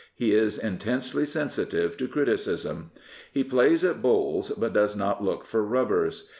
He is intensely sensitive to criticism. He plays at bowls, but does not look for rubbers.